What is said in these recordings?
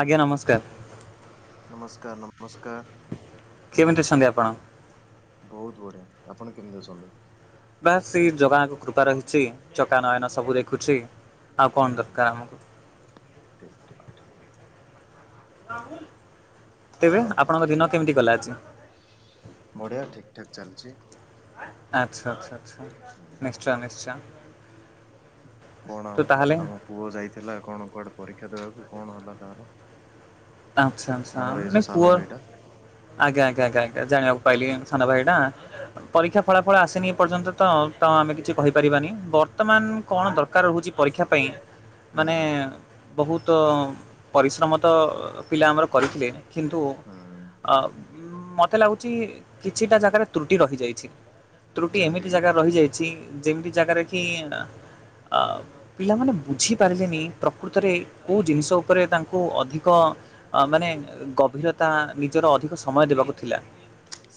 ଆଜ୍ଞା ନମସ୍କାର। ସ୍କାର ନମସ୍କାର। କେମିତି ଅଛନ୍ତି ଆପଣ? ବହୁତ ବଢିଆ ଆପଣ କେମିତି ଅଛନ୍ତି? ବା ସେ ଜଗାଣଙ୍କ କୃପା ରହିଛି ଚକା ନୟନ ସବୁ ଦେଖୁଛି। ଆଉ କଣ ହୁଁ ଦରକାର [inaudible] ଠିକ ଠିକ ଠିକ ତେବେ ଆଉ କଣ ଆପଣଙ୍କ ଦିନ କେମିତି ଗଲା ଆଜି ବଢିଆ ଠିକ ଠାକ୍ ଚାଲିଛି। ଆଛା ଆଛା। ହୁଁ ନିଶ୍ଚୟ ନିଶ୍ଚୟ କଣ ତ ଆଉ ତାହେଲେ ଆମ ପୁଅ ଯାଇଥିଲା କଣ କୁଆଡେ ପରୀକ୍ଷା ଦେଖା ଦେବାକୁ କଣ ହେଲା ତାର? ଆଛା ଆଛା ଆମର ଏଇ ଯୋଉ ସାନ ପୁଅ ଭାଇଟା ଆଜ୍ଞା ଆଜ୍ଞ ଜାଣିବାକୁ ପାଇଲି ସାନ ଭାଇ ଟା ପରୀକ୍ଷା ଫଳା ଫଳ ଆସନି ଏ ପର୍ଯ୍ୟନ୍ତ ତ ତ ଆମେ କିଛି କହିପାରିବାନି ବର୍ତ୍ତମାନ କଣ ଦରକାର ରହୁଛି ପରୀକ୍ଷା ପାଇଁ ହୁଁ ମାନେ ହୁଁ ବହୁତ ପରିଶ୍ରମ ତ ପିଲା ଆମର କରିଥିଲେ କିନ୍ତୁ ହୁଁ ମୋତେ ଲାଗୁଛି କିଛିଟା ଜାଗାରେ ତ୍ରୁଟି ରହିଯାଇଛି। ତ୍ରୁଟି ଯେମିତି ଏମିତି କିି ଜାଗା ରହିଯାଇଛି ଯେମିତି ଜାଗାରେ କି ଆ ଅ ପିଲାମାନେ ବୁଝିପାରିଲେନି ପ୍ରକୃତରେ ଏଇ କୋଉ ଜିନିଷ ଉପରେ ତାଙ୍କୁ ଅଧିକ ଆ ମାନେ ଗଭୀରତା ନିଜର ଅଧିକ ସମୟ ଦେବାକୁ ଥିଲା।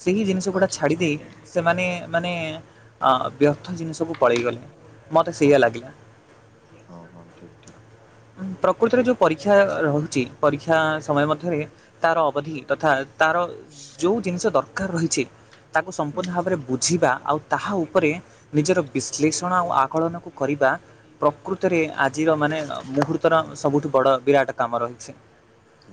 ସେହି ଜିନିଷ ଗୁଡ଼ା ଆଚ୍ଛା ଆଚ୍ଛା ଛାଡ଼ିଦେଇ ସେମାନେ ମାନେ ଅ ବ୍ୟର୍ଥ ଜିନିଷ ସବୁ ପଳେଇଗଲେ। ମତେ ସେଇଆ ଓହୋ ଲାଗିଲା, ହଁ ହଁ ଠିକ ଠିକ ପ୍ରକୃତିର ଠିକ ଯୋଉ ପରୀକ୍ଷା ରହିଛି- ପରୀକ୍ଷା ଆ ସମୟ ମଧ୍ୟରେ ତାର ଅବଧି ତଥା ତାର ଯୋଉ ଜିନିଷ ଦର କାର ରହିଛି। ତାକୁ ହୁଁ ସମ୍ପୂର୍ଣ୍ଣ ହୁଁ ଭାବରେ ବୁଝିବା ଆଉ ତାହା ଉପରେ ନିଜର ବିଶ୍ଳେଷଣ ଆଉ ଆକଳନକୁ କରିବା ପ୍ରକୃତରେ ଆଜିର ମାନେ ମୁହୂର୍ତ୍ତର ସବୁଠୁ ବଡ ବିରାଟ କାମ ରହିଛି।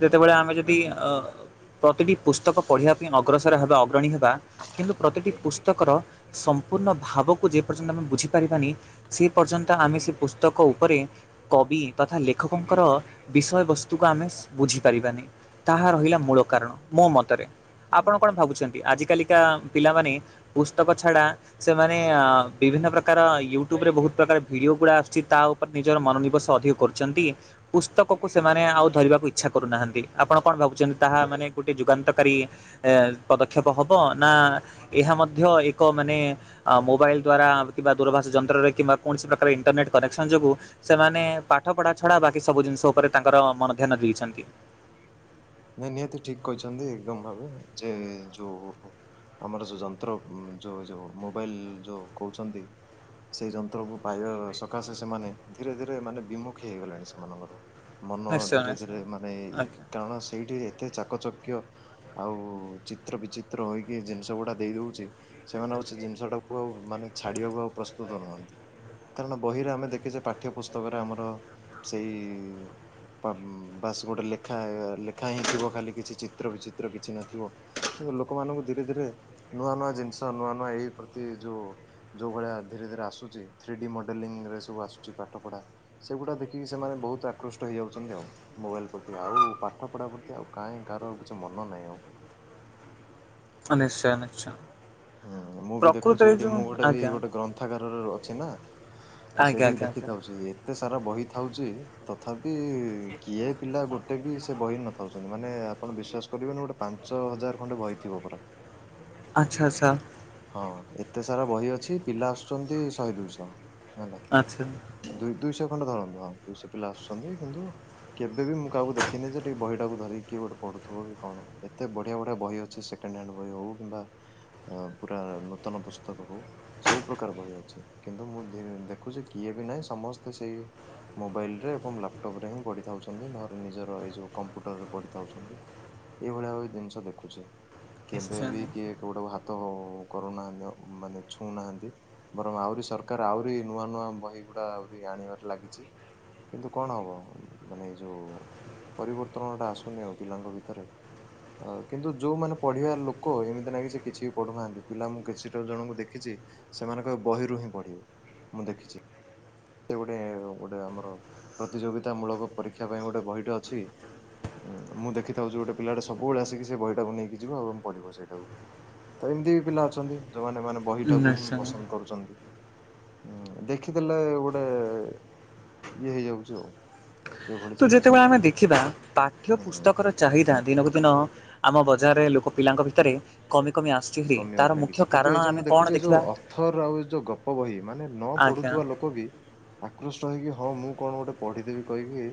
ନିହାତି ଯେତେବେଳେ ଆମେ ନିହାତି ଯଦି ଅ ପ୍ରତିଟି ପୁସ୍ତକ ପଢ଼ିବା ପାଇଁ ଅଗ୍ରସର ହେବା ଅଗ୍ରଣୀ ହେବା କିନ୍ତୁ ପ୍ରତିଟି ହୁଁ ପୁସ୍ତକର ସମ୍ପୂର୍ଣ୍ଣ ଭାବକୁ ଯେପର୍ଯ୍ୟନ୍ତ ଆମେ ବୁଝିପାରିବାନି, ସେ ପର୍ଯ୍ୟନ୍ତ ଆମେ ସେ ପୁସ୍ତକ ଉପରେ କବି ତଥା ଲେଖକଙ୍କର ବିଷୟବସ୍ତୁକୁ ଆମେ ବୁଝିପାରିବାନି ତାହା ରହିଲା ମୂଳ କାରଣ ମୋ ମତରେ ହୁଁ ଆପଣ କଣ ହୁଁ ଭାବୁଛନ୍ତି ଆଜିକାଲିକା ପିଲାମାନେ ପୁସ୍ତକ ଛାଡ଼ା ସେମାନେ ବିଭିନ୍ନ ପ୍ରକାର ୟୁଟ୍ୟୁବରେ ବହୁତ ପ୍ରକାର ଭିଡ଼ିଓ ଗୁଡ଼ା ଆସୁଛି, ତା ଉପରେ ନିଜର ମନୋନିବେଶ ଅଧିକ କରୁଛନ୍ତି, ପୁସ୍ତକକୁ ସେମାନେ ଆଉ ଧରିବାକୁଛ ଇଚ୍ଛା କରୁନାହାନ୍ତି ଆପଣ କଣ ଭାବୁଛନ୍ତି ତାହା ମାନେ ଗୋଟେ ଯୁଗାନ୍ତକାରୀ ପଦକ୍ଷେପ ହେବ ନା ଏହା ମଧ୍ୟ ଏକ ମାନେ ମୋବାଇଲ ଦ୍ଵାରା କିମ୍ବା ଦୂରଭାଷ ଯନ୍ତ୍ରରେ କିମ୍ବା କୌଣସି ପ୍ରକାର ଇଣ୍ଟରନେଟ୍ କନେକ୍ସନ୍ ଯୋଗୁଁ, ସେମାନେ ପାଠ ପଢ଼ା ଛଡ଼ା ବାକି ସବୁ ଜିନିଷ ଉପରେ ତାଙ୍କର ମନ ଧ୍ୟାନ ଦେଇଛନ୍ତି। ନାଇଁ ନିହାତି ଠିକ କହିଛନ୍ତି ଏକଦମ ଭାବେ ଯେ ଯୋଉ ଆମର ଯୋଉ ଯନ୍ତ୍ର ଯୋଉ ଯୋଉ ମୋବାଇଲ ଯୋଉ କହୁଛନ୍ତି, ସେଇ ଯନ୍ତ୍ରକୁ ପାଇବା ସକାଶେ ସେମାନେ ଧୀରେ ଧୀରେ ମାନେ ବିମୁଖୀ ହେଇଗଲେଣି, ସେମାନଙ୍କର ମନ ନିଶ୍ଚୟ ଧୀରେ ନିଶ୍ଚୟ ଧୀରେ ମାନେ, ଆଜ୍ଞା କାରଣ ଏତେ ଚାକଚକ୍ୟ ଆଉ ଚିତ୍ର ବିଚିତ୍ର ହୋଇକି ଜିନିଷ ଗୁଡା ଦେଇ ଦଉଛି ସେମାନେ ଆଉ ସେ ଜିନିଷ ଟାକୁ ଆଉ ମାନେ ଛାଡିବାକୁ ଆଉ ପ୍ରସ୍ତୁତ ନୁହନ୍ତି କାରଣ ବହିରେ ଆମେ ଦେଖେଛେ ପାଠ୍ୟ ପୁସ୍ତକରେ ଆମର ସେଇ ବାସ ଗୋଟେ ଲେଖା ଲେଖା ହିଁ ଥିବ ଖାଲି କିଛି ଚିତ୍ର ବିଚିତ୍ର କିଛି ନଥିବ ତାକୁ ଲୋକମାନଙ୍କୁ ଧୀରେ ଧୀରେ ନୂଆ ନୂଆ ଜିନିଷ ନୂଆ ନୂଆ ଏଇ ପ୍ରତି ଯେଉଁ ଯେଉଁ ଭଳିଆ ଧୀରେ ଧୀରେ ଆସୁଛି ଥ୍ରୀ ଡି ମଡ଼େଲିଂରେ ସବୁ ଆସୁଛି, ପାଠପଢ଼ା ସେଗୁଡ଼ା ଦେଖିକି ସେମାନେ ବହୁତ ଆକୃଷ୍ଟ ହେଇଯାଉଛନ୍ତି ଆଉ ମୋବାଇଲ ପ୍ରତି ଆଉ ପାଠ ପଢା ପ୍ରତି ଆଉ କାହିଁ କାହାର ଆଉ କିଛି, ମନ ନାହିଁ ଆଉ ନିଶ୍ଚୟ ନିଶ୍ଚୟ। ହୁଁ ମୁଁ ବି ଦେଖୁଛି, ପ୍ରକୃତରେ ସେଇଠି, ଯୋଉ ମୁଁ ଗୋଟେ ବି ଆଜ୍ଞା ଗୋଟେ ଗ୍ରନ୍ଥଗାରରେ ଅଛି ନା, ତ ଆଜ୍ଞା ସେଇଠି ବି ଆଜ୍ଞା ଆଜ୍ଞା ଦେଖିଥାଉଛି, ଏତେ ସାରା ବହି ଥାଉଛି ତଥାପି କିଏ ପିଲା ଗୋ ଗୋଟେ ବି ସେ ବହି ନଥାଉଛନ୍ତି, ମାନେ ଆପଣ ବିଶ୍ଵାସ କରିବେନି, ଗୋଟେ ପାଞ୍ଚ ହଜାର ଖଣ୍ଡେ ବହି ଥିବ ପୁରା ଆଚ୍ଛା ଆଛା। ହଁ ଏତେ ସାରା ବହି ଅଛି, ପିଲା ଆସୁଛନ୍ତି ଶହେ ଦୁଇଶହ ହେଲା ଆଚ୍ଛା ଦୁଇ ଦୁଇଶହ ଖଣ୍ଡେ ଧରନ୍ତୁଁ ହଁ ଦୁଇଶହ ପିଲା ଆସୁଛନ୍ତି କିନ୍ତୁ କେ ଏବି ମୁଁ କହାକୁ ଦେଖିନି ଯେ ଟିକେ ବହିଟାକୁ ଧରିକି କିଏ ଗୋଟେ ପଢ଼ୁଥିବ କି କଣ ଏତେ ବଢ଼ିଆ ବଢ଼ିଆ ବହି ଅଛି ସେକେଣ୍ଡ ହ୍ୟାଣ୍ଡ ବହି ହେଉ କିମ୍ବା ଆ ପୁରା ନୂତନ ପୁସ୍ତକ ହଉ ସବୁ ପ୍ରକାର ବହି ଅଛି କିନ୍ତୁ ମୁଁ ଦେ-ଦେଖୁଛି କିଏ ବି ନାହିଁ ସମସ୍ତେ ସେଇ ମୋବାଇଲରେ ଏବଂ ଲାପଟପ ରେ ହିଁ ପଢି ଥାଉଛନ୍ତି ନହେଲେ ନିଜର ଏଇ ଯୋଉ କମ୍ପ୍ୟୁଟରରେ ପଢି ଥାଉଛନ୍ତି ଏଇଭଳିଆ ଆଉ ଜିନିଷ ଦେଖୁଛି। କେବେ ନିଶ୍ଚୟ ବି କିଏ କୋଉଟାକୁ ହାତ ହବ ଉ କରୁନାହାନ୍ତି ଆଉ ମାନେ ଛୁଉଁନାହାନ୍ତି ବରଂ ଆହୁରି ସରକାର ଆହୁରି ନୂଆ ନୂଆ ବହି ଗୁଡା ଆହୁରି ଆଣିବାରେ ଲାଗିଚି କିନ୍ତୁ କଣ ହବ ମାନେ ଏଇ ଯୋଉ ପରିବର୍ତ୍ତନଟା ଆସୁନି ଆଉ ପିଲାଙ୍କ ଭିତରେ ଆ କିନ୍ତୁ ଯୋଉମାନୋନ ପଢିବା ଲୋକ ଏମିତି ନହିଁ କି ସେ କିଛି ବି ପଢୁନାହାନ୍ତି। ପିଲା ମୁଁ କିଛିଟା ଜଣଙ୍କୁ ଦେଖିଛି, ସେମାନେ କେବଳ ବହିରୁ ହିଁ ପଢିବେ ମୁଁ ଦେଖିଛି। ସେ ଗୋଟେ ଗୋଟେ ଆମର ପ୍ରତିଯୋଗିତା ମୂଳକ ପରୀକ୍ଷା ପାଇଁ ଗୋଟେ ବହିଟେ ଅଛି। ମୁଁ ଦେଖିଥାଉଛି ଗୋଟେ ପିଲାଟା ସବୁବେଳେ ଆସିକି ସେ ବହିଟାକୁ ନେଇକି ଯିବ ଏବଂ ପଢିବ ସେଇଟାକୁ, ତ ଏମିତି ବି ପିଲା ଅଛନ୍ତି। ଯୋଉମାନେ ମାନେ ବହିଟାକୁ ହିଁ ନିଶ୍ଚୟ ପସନ୍ଦ କରୁଛନ୍ତି। ହୁଁ ଦେଖିଦେଲେ ଗୋ ଇଏ ହେଇଯାଉଛି ଆଉ। ଏଭଳି ତ ଚାଲିଛି ଯେତେବେଳେ ଆମେ ଦେଖିବା ପାଠ୍ୟ ହୁଁ। ପୁସ୍ତକର ଚାହିଦା ଦିନକୁ ଦିନ ଆମ ବଜାରରେ ଲୋକ ପିଲାଙ୍କ ଭିତରେ କମି କମି ଆସୁଛି ହେରି ତାର କମିବାରେ ମୁଖ୍ୟ ଲାଗିଛି କିନ୍ତୁ କାରଣ ଏ ଯୋଉ ଆମେ ମୁଁ କଣ ଦେଖୁଛି ଏ ଦେଖିବା ଯୋଉ ଅଥର ଆଉ ଏ ଯୋଉ ଗପ ବହି ମାନେ ନ ଆଜ୍ଞା ପଢୁଥିବା ଲୋକ ବି ଆକୃଷ୍ଟ ହେକ ହଁ ମୁଁ କଣ ଗୋଟେ ପଢିଦବି କହିକି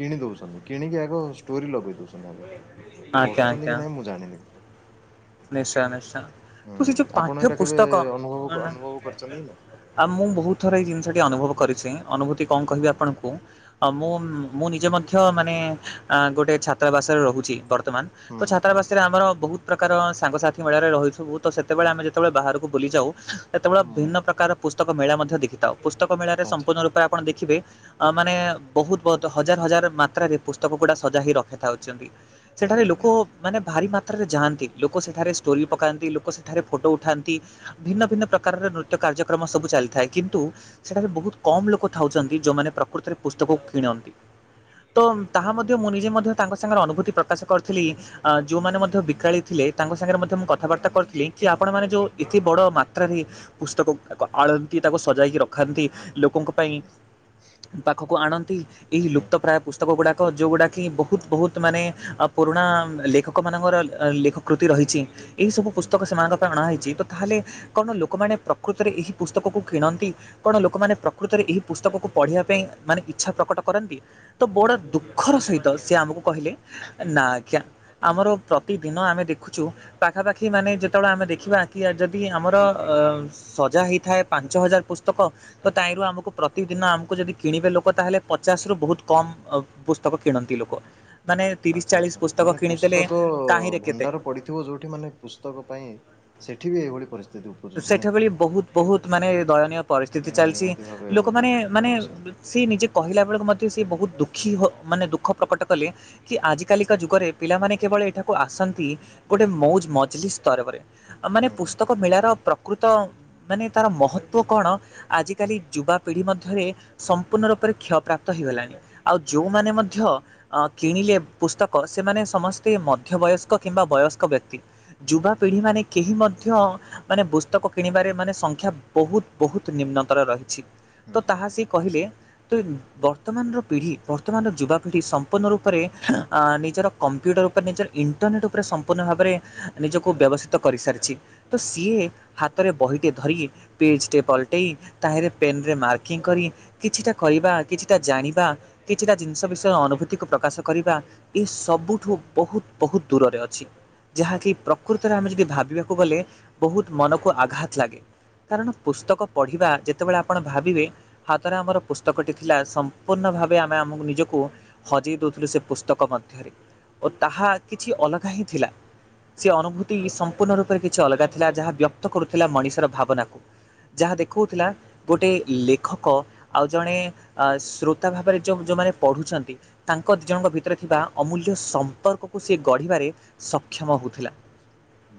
କିଣି ଦଉଛନ୍ତି କିଣିକି ଆଗ ଷ୍ଟୋରି ଲଗେଇ ଦଉଛନ୍ତି ଆଗ ଆଜ୍ଞା ପଢୁଛନ୍ତି ଆଜ୍ଞା କି ନାଇଁ ମୁଁ ଜାଣିନି କିନ୍ତୁ ନିଶ୍ଚୟ ନିଶ୍ଚୟ ହୁଁ ତୁ ସେ ଯୋଉ ଆପଣ ପାଠ୍ୟ ଏଇଟା କେବେ ପୁସ୍ତକ ଅନୁଭବ ଅନୁଭବ କରିଛନ୍ତି କି ନାଇଁ? ଆ ମୁଁ ବହୁତ ଥର ଏଇ ଜିନିଷଟି ଅନୁଭବ କରିଛି ଅନୁଭୂତି କଣ ହଁ କହିବି ଆପଣଙ୍କୁ? ଅ ମୁଁ ମୁଁ ନିଜେ ମଧ୍ୟ ମାନେ ଗୋଟେ ଛାତ୍ରାବାସରେ ରହୁଛି ବ ବର୍ତ୍ତମାନ ତ ହଁ ହଁ ଛାତ୍ରାବାସରେ ଆମର ବହୁ ପ୍ରକାର ସାଙ୍ଗସାଥି ମେଳାରେ ରହିଥିବୁ ତ ସେତେବେଳେ ଆମେ ଯେତେବେଳେ ବାହାରକୁ ବୁଲି ଯାଉ କ କେତେବେଳେ ହଁ ଭିନ୍ନ ପ୍ରକାର ପୁ ସ୍ତକ ମେଳା ମଧ୍ୟ ଦେଖିଥାଉ। ପୁସ୍ତକ ମେଳାରେ ଆଚ୍ଛା ସମ୍ପୂର୍ଣ ରୂପ ଆପଣ ଦେଖିବେ ଅ ମାନେ ବହୁତ ବହୁତ ହଜାର ହଜାର ମାତ୍ରାରେ ପୁସ୍ତକ ଗୁଡା ସଜ୍ଜା ହେଇ ରଖିଥାଉଛନ୍ତି। ସେଠାରେ ନିହାତି ଲୋକ ନିହାତି ମାନେ ଭାରି ମାତ ତ ଜାନ୍ତି ଲୋକ ସେଠାରେ ଷ୍ଟୋରି ପକାନ୍ତି ଲୋକ ସେଠାରେ ଫଟୋ ଉଠାନ୍ତି ଭିନ୍ନ ଭିନ୍ନ ପ୍ରକାରର ନୃତ୍ୟ କାର୍ଯ୍ୟକ୍ରମ ସବୁ ଚାଲିଥାଏ କିନ୍ତୁ ସେଠାରେ ବହୁତ କମ ଲୋକ ଥାଉଛନ୍ତି ଯୋଉମାନେ ପ୍ରକୃତରେ ପୁସ୍ତକକୁ କିଣନ୍ତି। ତ ତାହା ହଁ ହଁ ମଧ୍ୟ ମୁଁ ନିଜେ ମଧ୍ୟ ତାଙ୍କ ସାଙ୍ଗରେ ଅନୁଭୂତି ପ୍ରକାଶ କରିଥିଲି ଆ ଯୋଉମାନେ ମଧ୍ୟ ବିକାଳି ଥିଲେ ତାଙ୍କ ସାଙ୍ଗରେ ମଧ୍ୟ ମୁଁ କଥାବାର୍ତ୍ତା କରିଥିଲି କି ଆପଣ ମାନେ ଯୋଉ ହୁଁ ହୁଁ। ଏତେ ବଡ ମା ମାତ୍ରାରେ ପୁସ୍ତକ ତାକୁ ଆଳନ୍ତି ତାକୁ ସଜାଇକି ରଖାନ୍ତି ଲୋକଙ୍କ ପାଇଁ ହୁଁ ହୁଁ ପାଖକୁ ଆଣନ୍ ନ୍ତି ଏହି ହୁଁ ଲୁପ୍ତ ହୁଁ ପ୍ରାୟ ପୁସ୍ତକ ଗୁଡାକ ଯୋଉଗୁଡା କି ବହୁତ ବହୁତ ମାନେ ପୁରୁଣା ଲେଖକ ମାନଙ୍କର ଲେଖ କୃତି ରହିଛି। ଏହି ସବୁ ହୁଁ ହୁଁ ପୁସ୍ତକ ସେମାନଙ୍କ ପାଇଁ ଅଣାହେଇଛି ତ ତାହେଲେ କଣ ଲୋକମାନେ ପ୍ରକୃତରେ ଏହି ପୁସ୍ତକକୁ କିଣନ୍ତି? କଣ ଲୋକମାନେ ପ୍ରକୃତରେ ଏହି ପୁସ୍ତକକୁ ପଢ଼ିବା ପାଇଁ ମାନେ ଇଚ୍ଛା ପ୍ରକଟ କରନ୍ତି। ତ ବଡ଼ ଦୁଃଖର ସହିତ ସେ ଆମକୁ କହିଲେ ନା ଆଜ୍ଞା ଆମର ପ୍ରତିଦିନ ଆମେ ଦେଖ ଦେଖୁଛୁ ପାଖାପାଖି ମାନେ ଯେତେବେଳେ ଆମେ ଦେଖିବା କି ଯଦି ଆମର ସଜା ହେଇଥାଏ ପାଞ୍ଚ ହଜାର ପୁସ୍ତକ ତ ତାଇରୁ ଆମକୁ ପ୍ରତିଦିନ ଆମକୁ ଯଦି କିଣିବେ ଲୋକ ତାହେଲେ ପଚାଶ ରୁ ବହୁତ କମ ପୁସ୍ତକ କିଣନ୍ତି ଲୋକ ମାନେ ତିରିଶ ଆଚ୍ଛା ଆଚ୍ଛା ଚାଳିଶ ପୁସ୍ତକ ମାନେ କିଣିଦେଲେ ପୁସ୍ତକ କାହିଁରେ କେତେ। ଭଣ୍ଡାର ପଡିଥିବ ଯୋଉଠି ମାନେ ପୁସ୍ତକ ପାଇଁ ସେଠି ବି ଏଇଭଳି ପରିସ୍ଥିତି ଉପୁଜୁଛି ସେଠା ନାଇଁ କି? ଭଳି ବହୁତ ବହୁତ ମାନେ ଦୟନୀୟ ପରିସ୍ଥିତି ନାଇଁ ନା ଚାଲିଛି। ନିହାତି ଭାବେ ଦୁ ଲୋକମାନେ ମାନେ ଦୁଃଖର ବିଷୟ ସିଏ ନିଜେ କହିଲା ବେଳକୁ ମଧ୍ୟ ସେ ବହୁତ ହୁଁ ଦୁଃଖୀ ହୁଁ ମାନେ ଦୁଃଖ ପ୍ରକଟ କଲେ କି ଆଜିକାଲିକା ଯୁଗରେ ପିଲାମାନେ କେବଳ ଏଠାକୁ ଆସନ୍ତ ନ୍ତି ଗୋଟେ ମଉଜ ମଜଲିସ୍ ସ୍ତରେ ବରେ। ମାନେ ହୁଁ ହୁଁ ପୁସ୍ତକ ମେଳାର ପ୍ର ପ୍ରକୃତ ମାନେ ତାର ମହତ୍ତ୍ୱ କଣ ଆଜିକାଲି ଯୁବାପିଢ଼ି ମଧ୍ୟରେ ସମ୍ପୂର୍ଣ୍ଣ ରୂପରେ କ୍ଷୟ ପ୍ରାପ୍ତ ହେଇଗଲାଣି। ଆଉ ହୁଁ ହୁଁ ଯୋଉମାନେ ମଧ୍ୟ କିଣିଲେ ପୁସ୍ତକ ସେମାନେ ସମସ୍ତେ ମଧ୍ୟବୟସ୍କ କିମ୍ବା ବୟସ୍କ ବ୍ୟକ୍ତି। ଯୁବାପିଢ଼ିମାନେ କେହି ମଧ୍ୟ ମାନେ ପୁସ୍ତକ କିଣିବାରେ ମାନେ ସଂଖ୍ୟା ବହୁତ ବହୁତ ନିମ୍ନତର ରହିଛି। ତ ହୁଁ ହୁଁ ତାହା ହୁଁ ସିଏ କହିଲେ ତୁ ବର୍ତ୍ତମାନର ପିଢ଼ି ବର୍ତ୍ତମାନର ଯୁବାପିଢ଼ି ସମ୍ପୂର୍ଣ୍ଣ ରୂପରେ ଆ ନିଜର କମ୍ପ୍ୟୁଟର ଉପରେ ନିଜର ଇ ଇଣ୍ଟରନେଟ୍ ଉପରେ ସମ୍ପୂର୍ଣ୍ଣ ଭାବରେ ନିଜକୁ ବ୍ୟବସ୍ଥିତ କରିସାରିଛି। ତ ସିଏ ହାତରେ ବହିଟେ ଧରି ପେଜ୍ଟେ ପଲଟେଇ ତାହିରେ ପେନ୍ ରେ ମାର୍କିଂ କରି କିଛିଟା କରିବା କିଛିଟା ଜାଣିବା କିଛିଟା ଜିନିଷ ବିଷୟରେ ଅନୁଭୂତିକୁ ପ୍ରକାଶ କରିବା ଏ ସବୁଠୁ ବହୁତ ବହୁତ ଦୂରରେ ଅଛି। ଯାହାକି ପ୍ରକୃତରେ ଆମେ ଯଦି ଭାବିବାକୁ ଗଲେ ବହୁତ ମନକୁ ଆଘାତ ଲାଗେ। କାରଣ ପୁସ୍ତକ ପଢ଼ିବା ଯେତେବେଳେ ଆପଣ ଭାବିବେ ହାତରେ ଆମର ପୁସ୍ତକଟି ଥିଲା ସମ୍ପୂର୍ଣ୍ଣ ଭାବେ ଆମେ ଆମକୁ ନିଜକୁ ହଜେଇ ଦେଉଥିଲୁ ସେ ପୁସ୍ତକ ମଧ୍ୟରେ ଓ ତାହା କିଛି ଅଲଗା ହିଁ ଥିଲା। ସେ ଅନୁଭୂତି ସମ୍ପୂର୍ଣ୍ଣ ରୂପରେ କିଛି ଅଲଗା ଥିଲା ଯାହା ବ୍ୟକ୍ତ କରୁଥିଲା ମଣିଷର ଭାବନାକୁ। ଯାହା ଦେଖଉଥିଲା ଗୋଟେ ଲେଖକ ଆଉ ଜଣେ ଶ୍ରୋତା ଭାବରେ ଯ ଯୋଉମାନେ ପଢ଼ୁଛନ୍ତି ତାଙ୍କ ଦିଜଣଙ୍କ ଭିତରେ ଥିବା ଅମୂଲ୍ୟ ସମ୍ପର୍କ କୁ ସେ ଗଢ଼ିବାରେ ସକ୍ଷମ ହଉଥିଲା।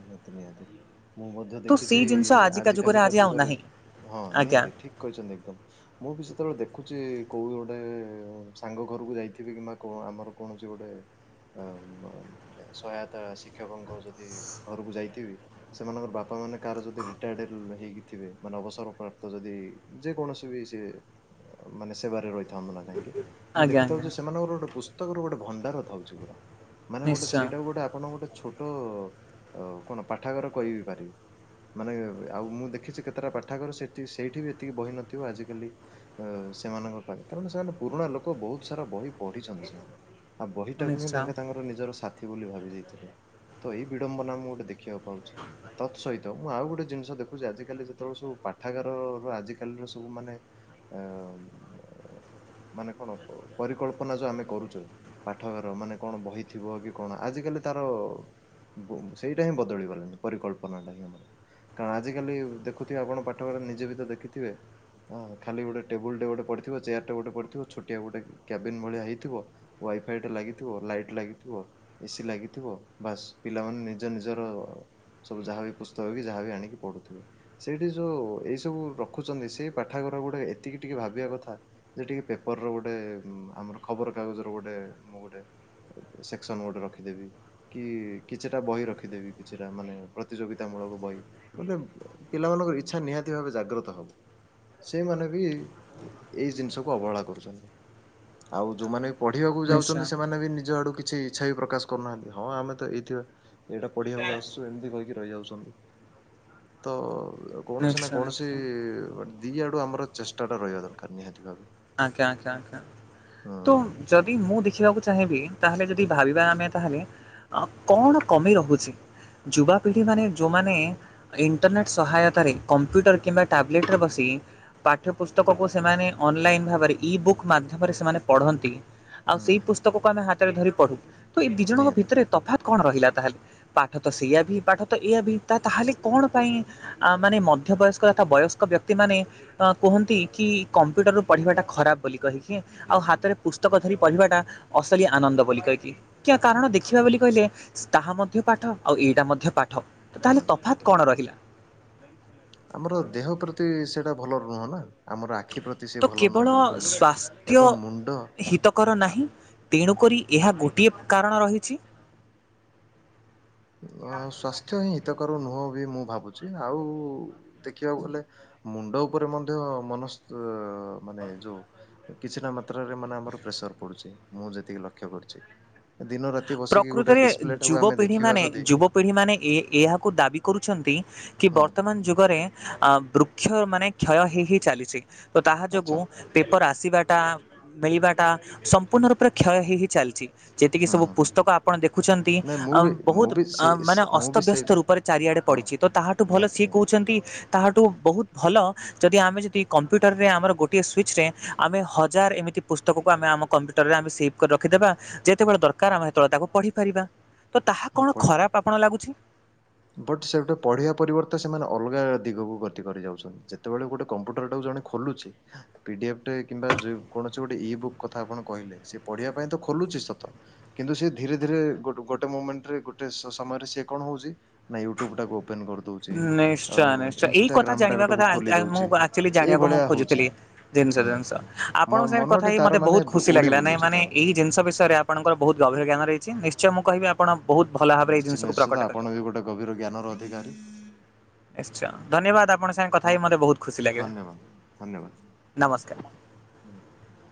ନିହାତି ନିହାତି ମୁଁ ମଧ୍ୟ ତ ଦେଖିଛି ସେଇ ଜିନିଷ ଆଜିକା ଆଜି କାଲିକା ଆଉ ଯୁଗରେ ନାହିଁ। ହଁ ଆଜ୍ଞା ନିହାତି ଠିକ୍ କହିଛନ୍ତି ଏକଦମ୍‌। ମୁଁ ବି ସେତେବେଳେ ଦେଖୁଛି କୋଉ ଗୋଟେ ସାଙ୍ଗ ଘରକୁ ଯାଇଥିବି କିମ୍ବା କଉ ଆମର କୌଣସି ଗୋଟେ ଅ ମାନେ ସହାୟତା ଶିକ୍ଷକଙ୍କ ଯଦି ଘରକୁ ଯାଇଥିବି ସେମାନଙ୍କର ବାପା ମାନେ କାହାର ଯଦି ରିଟାୟାର୍ଡ ହେଇକିଥିବେ ମାନେ ଅବସର ପ୍ରାପ୍ତ ଯଦି ଯେକୌଣସି ବି ସେ ମାନେ ସେବାରେ ରହିଥାନ୍ତୁ ନା କାହିଁକି ମୁଁ ଆଜ୍ଞା ଦେଖିଥାଉ ଆଜ୍ଞା ଯେ ସେମାନଙ୍କର ଗୋଟେ ଖୁସ୍‌ ତାଙ୍କର ଗୋଟେ ଭଣ୍ଡାର ଥାଉଛି ପୁରା। ମାନେ ଗୋଟେ ନିଶ୍ଚୟ ସେଇଟା ଗୋଟେ ଆପଣ ଗୋଟେ ଛୋଟ ଅ କଣ ପାଠାଗାର କହିିବି ପାରିବେ। ମାନେ ଆଉ ମୁଁ ଦେଖିଛି କେତେଟା ପାଠାଗାର ସେଠି ସେଇଠି ବି ଏତିକି ବହି ନଥିବ ଆଜିକାଲି ସେମାନଙ୍କ ପାଇଁ କାରଣ ସେମାନେ ପୁରୁଣା ଲୋକ ବହୁତ ସାରା ବହି ପଢିିଛନ୍ତି ସେମାନେ। ଆଉ ନିଶ୍ଚୟ ବହିଟାକୁ ହିଁ ନିଶ୍ଚୟ ତାଙ୍କେ ତାଙ୍କର ନିଜର ସା ବୋଲି ଭାବି ଦେଇଥିଲୁ। ତ ଏଇ ବିଡ଼ମ୍ବନା ମୁଁ ଗୋଟେ ଦେଖିବାକୁ ପାଉଛି ତତ୍‌ ସହିତ ମୁଁ ଆଉ ଗୋଟେ ଜିନିଷ ଦେଖୁଛି ଆଜିକାଲି ଯେତେବେଳେ ସବୁ ପାଠାଗାରର ଆଜିକାଲିର ସବୁ ମାନେ ମାନେ କଣ ପରିକଳ୍ପନା ଯୋଉ ଆମେ କରୁଛୁ ପାଠଗାର ମାନେ କଣ ବହିଥିବ କି କଣ ଆଜିିକାଲି ତାର ସେଇଟା ହିଁ ବଦଳିଗଲାଣିି ପରିକଳ୍ପନାଟା ଆମର କା ଆଜିକାଲି ଦେଖୁଥିବେ ଆପଣ ପାଠପଢ଼ା ନିଜେ ବି ତ ଦେଖିଥିବେ ଖାଲି ଗୋଟେ ଟେବୁଲ୍ ଟେ ଗୋଟେ ପଡ଼ିଥିବ ଚେୟାରଟେ ଗୋଟେ ପଡ଼ିଥିବ ଛୋଟିଆ ଗୋଟେ କ୍ୟାବିନ୍ ଭଳିଆ ହେଇଥିବ ୱାଇଫାଇଟେ ଲାଗିଥିବ ଲାଇଟ୍ ଲାଗିଥିବ ଏସି ଲାଗିଥିବ ବାସ୍ ପିଲାମାନେ ନିଜ ନିଜର ସବୁ ଯାହାବି ପୁସ୍ତକ କି ଯାହାବି ଆଣିକି ପଢୁଥିବେ ସେଇଠି ଯୋଉ ଏଇ ସବୁ ରଖୁଛନ୍ତି ସେଇ ପାଠାଗାର ଗୋଟେ ଏତିକି ଟିକେ ଭାବିବା କଥା ଯେ ଟିକେ ପେପର୍ ର ଗୋଟେ ଆମର ଖବର କାଗଜର ଗୋଟେ ମୁଁ ଗୋଟେ ସେକ୍ସନ ଗୋଟେ ରଖିଦେବି କି କିଛିଟା ବହି ରଖ ରଖିଦେବି କିଛିଟା ମାନେ ପ୍ରତିଯୋଗିତା ମୂଳକ ବହି ମାନେ ପିଲାମାନଙ୍କର ଇଚ୍ଛା ନିହାତି ଭାବେ ଜାଗ୍ରତ ହବ ସେଇମାନେ ବି ଏଇ ଜିନିଷକୁ ଅବହେଳା କରୁଛନ୍ତି ଆଉ ଯୋଉମାନେ ପଢିବାକୁ ଯାଉଛନ୍ତି ସେମାନେ ବି ନିଜ ଆଡ଼ୁ କି ଛି ଇଛାବି ପ୍ରକାଶ୍ କରୁନାହାନ୍ତି ହଁ ଆମେତ ଏଇଥିବା ଏଇଟା ପଢିବାକୁ ଆସୁଚି ଏମତି କହିକି ରହିଯାଉଛି। ତ କୌଣସି ନା ନିଶ୍ଚୟ କୌଣସି ନିଶ୍ଚୟ ଦିଇ ଆଡୁ ଆମର ଚେଷ୍ଟାଟା ରହିବା ଦରକାର ନିହାତି ଭାବେ। ଆଜ୍ଞା ଆଜ୍ଞା ଆଜ୍ଞା ହଁ ତ ଯଦି ମୁଁ ଦେଖିବାକୁ ଚାହିଁବି ତାହେଲେ ଯଦି ଭାବିବା ଆମେ ତାହେଲେ କଣ କମି ରହୁଛି ଯୁବାପିଢ଼ି ମାନେ ଯେଉଁମାନେ ଇଣ୍ଟରନେଟ୍ ସହାୟତାରେ କମ୍ପ୍ୟୁଟର କିମ୍ବା ଟାବ୍ଲେଟରେ ବସି ପାଠ୍ୟ ପୁସ୍ତକକୁ ସେମାନେ ଅନ୍‌ଲାଇନ୍‌ ଭାବରେ ଇ ବୁକ୍ ମାଧ୍ୟମରେ ସେମାନେ ପଢ଼ନ୍ତି। ଆଉ ହୁଁ ସେଇ ପୁସ୍ତକକୁ ଆମେ ହାତରେ ଧରି ପଟ୍ ତ ଏ ଦି ଜଣଙ୍କ ନିହାତି ଭିତରେ ତଫାତ୍ କଣ ରହିଲା ତାହାଲେ ପାଠ ତ ସେଇଆ ଭି ପାଠ ତ ଏଇଆ ଭି ତ ତାହାଲେ କନ୍ ପାଇଁ ଆ ମାନେ ମଧ୍ୟପରେ କହିବା କଥା ବୟସ୍କ ବ୍ୟକ୍ତି ମାନେ କୁହନ୍ତି। ପଢ଼ିବାଟା ଖରାପ୍ ବୋଲି କହି। ଆଉ ହୁଁ ହାତରେ ପୁସ୍ତକ ଧରି କହିବାଟା ଅସଲି ଆନନ୍ଦ ବୋଲି କହିକି କି କାରଣ ଦେଖିବା ବୋଲି କହିଲେ। ତାହା ମଧ୍ୟ ପାଠ ଆଉ ଏଇଟା ମଧ୍ୟ ପାଠ। ତାହେଲେ ହୁଁ। ତଫାତ୍ କଣ ରହିଲା? ଆମର ଦେହ ପ୍ରତି ସେଇଟା ଭଲ ନୁହଁ ନା ଆମର ଆଖି ପ୍ରତି ତ ସେ ଭଲ କେବଳ ନୁହଁ ବିଲକୁଲ ବି ସ୍ୱାସ୍ଥ୍ୟ ଏବଂ ମୁଣ୍ଡ ହିତକର ନାହିଁ ତେଣୁକରି ଏହା ଗୋଟିଏ କାରଣ ରହିଛି। ଅ ସ୍ୱାସ୍ଥ୍ୟ ହିଁ ହିତକ ନୁହଁ ମୁଁ ଭାବୁଛି ଆଉ ଦେଖିବାକୁ ଗଲେ ମୁଣ୍ଡ ଉପରେ ମଧ୍ୟ ମନସ୍ ମାନେ ଯୋଉ କିଛିଟ ମାତ୍ରାରେ ମାନେ ଆମର ପ୍ରେସର ପଡୁଛି ମୁଁ ଯେତିକି ଲକ୍ଷ୍ୟ କରୁଛି। ଦିନ ରାତି ବସିକି ଗୋଟେ ଡିସପ୍ଲେ ଟାକୁ ଆମେ ଦେଖିବା ମାନେ ଯଦି ଯୁବପିଢି ମାନେ ଏ ଏହାକୁ ଦାବି କରୁ ଅଛନ୍ତି। କି ହୁଁ ବର୍ତ୍ତମାନ ଯୁଗରେ ଅ ବ ଅକ୍ଷ ମାନେ କ୍ଷୟ ହୋଇଇ ହି ଚାଲିଛି। ତ ତାହା ଯୋଗୁ ଆଚ୍ଛା ପେପର ଆସ ଆସିବାଟା ମିଳିବାଟା ସମ୍ପୂର୍ଣ୍ଣ ରୂପରେ କ୍ଷୟ ହେଇ ହେଇ ଚାଲିଛି। ଯେତିକି ହୁଁ ସବୁ ହୁଁ। ପୁସ୍ତକ ଆପଣ ଦେଖୁଛନ୍ତି ନାଇଁ ମୁଁ ବି ବହୁତ ମୁଁ ବି ସେ ମାନେ ସେ- ମୁଁ ବି ସେ ଅସ୍ତବ୍ୟସ୍ତ ରୂପରେ ଚାରିଆଡେ ହଁ ପଡିଛି ତ ତାହାଠୁ ଭଲ ନିହାତି ସିଏ ନିହାତି କହୁଛନ୍ତି। ତାହାଠୁ ବହୁତ ଭଲ ଯଦି ଆମେ ଯଦି କମ୍ପ୍ୟୁଟରରେ ଆମର ଗୋଟିଏ ସୁିଚରେ ଆମେ ହଜାର ଏମିତି ପୁସ୍ତକକୁ ଆମେ ଆମ କମ୍ପ୍ୟୁଟରରେ ଆମେ ସେଭ୍ କରି ରଖିଦେବା ଯେତେବେଳେ ଦରକାର କାର ଆମେ ସେତେବେଳେ ତାକୁ ପଢିପାରିବା ହଁ ପ ବଟ ସେ ଗଟେ ପଢେଇିବା ପରିବର୍ତ୍ତେ ସେମାନେ ଅଲଗା ଦିଗକୁ ଗତି କରି ଯାଉଛନ୍ତି ଯେତେବେଳେ ଗୋଟେ କମ୍ପ୍ୟୁଟର ଟା ଜଣେ ଖୋଲୁଛି ପିଡିଏଫ କିମ୍ବା କୌଣସି ଗୋଟେ ଇ ବୁକ୍ କଥା ଆପଣ କହିଲେ ସେ ପଢିବା ପାଇଁ ତ ଖୋଲୁଛି ସତ କିନ୍ତୁ ସି ଧୀରେ ଧୀରେ ଗୋଟେ ମୁମେଣ୍ଟ ଗୋଟେ ସମୟରେ ସ କଣ ହଉଛି ନା ୟୁଟୁବାକୁ ନିଶ୍ଚୟ ନିଶ୍ଚୟ ଏଇ କଥା ଇନଷ୍ଟାଗ୍ରାମ ଜାଣିବା ଟାକୁ କଥା ଖୋଲି ଦଉଛି ମୁଁ ଆଚୁଆଲି ଜାଣିବାକୁ ମୁଁ ଏଇଭଳିଆ ହଉଛି ଖୋଜୁଥିଲି ଜିନିଷ ହୁଁ ଜିନିଷ ଆପଣଙ୍କ ସାଙ୍ଗରେ କଥା ମନଟି ହେଇ ତାର ମୋତେ ମାନେ ବହୁତ ଖୁସି ଉଡି ଲାଗିଲା ନାଇଁ ବୁଲୁଛି ମାନେ ତାର ଏଇ ଜିନିଷ ବିଷୟରେ ଆପଣଙ୍କର ବହୁତ ଗଭୀର ଜ୍ଞାନ ରହିଛି। ଆଚଛାଁ କିବି ଆପଣ ବହୁତ ଭଲ ଭାବରେ ଏଇ ନିଶ୍ଚିତ ଜିନିଷକୁ ପ୍ରକଟ ନିଶ୍ଚିତ କଲେ। ଆପଣଙ୍କ ବି ଗୋଟେ ଗଭୀର ଜ୍ଞାନର ଅଧିକାରୀ ନିଶ୍ଚା ଧନ୍ୟବାଦ ଆପଣଙ୍କ ସାଙ୍ଗେ କଥା ହଁ ହେଇ ହଁ ମୋତେ ବହୁତ ଖୁସି ଲାଗିଲା ଧନ୍ୟବାଦ ଧନ୍ୟବାଦ ନମସ୍କାର